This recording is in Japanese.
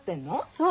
そう。